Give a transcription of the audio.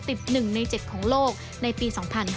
ติดหนึ่งในเจ็ดของโลกในปี๒๕๖๔